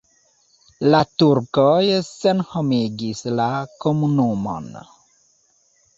La turkoj senhomigis la komunumon.